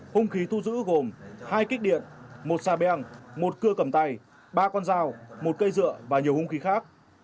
hung khí thu giữ gồm hai kích điện một xà beng một cưa cầm tay ba con dao một cây dựa và nhiều hung khí khác